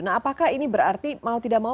nah apakah ini berarti mau tidak mau